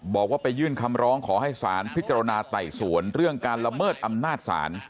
บอกว่าไปยื่นคำร้องขอให้สารพิจารณาไต่สวนเรื่องการละเมิดอำนาจศาล